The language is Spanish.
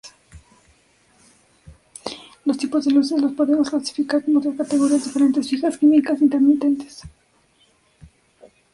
Los tipos de luces los podemos clasificar como tres categorías diferentes: fijas, químicas, intermitentes.